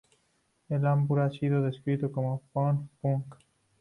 El álbum ha sido descrito como pop punk.